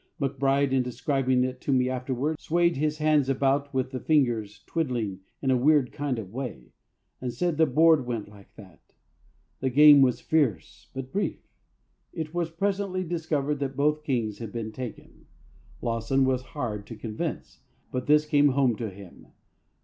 MacBryde, in describing it to me afterwards, swayed his hands about with the fingers twiddling in a weird kind of way, and said the board went like that. The game was fierce but brief. It was presently discovered that both kings had been taken. Lowson was hard to convince, but this came home to him.